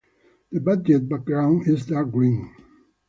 The badge background is dark green.